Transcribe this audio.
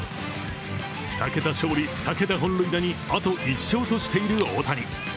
２桁勝利・２桁本塁打に、あと１勝としている大谷。